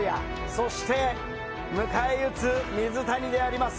そして、迎え撃つ水谷であります。